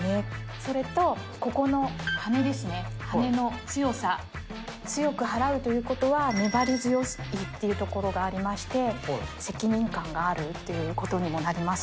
それと、ここのはねですね、はねの強さ、強くはらうということは、粘り強いというところがありまして、責任感があるということにもなります。